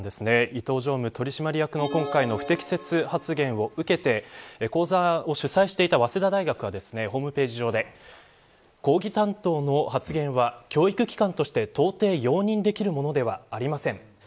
伊東常務取締役の今回の不適切発言を受けて講座を主宰していた早稲田大学はホームページ上で講義担当の発言は教育機関として到底容認できるものではありません。